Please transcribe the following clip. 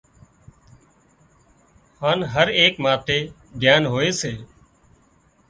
هانَ هر ايڪ ماٿي ڌيان هوئي سي